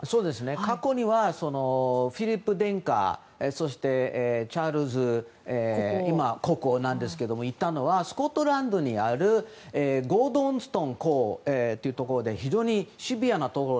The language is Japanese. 過去にはフィリップ殿下そしてチャールズ国王が行ったのはスコットランドにあるゴードンストン校というところで非常にシビアなところ。